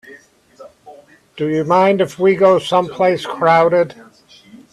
Do you mind if we go someplace crowded?